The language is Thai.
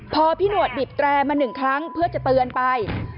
พอพี่หนวดบีบแตรมาหนึ่งครั้งเพื่อจะเตือนไป